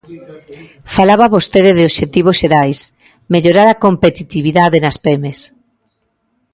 Falaba vostede de obxectivos xerais, mellorar a competitividade nas pemes.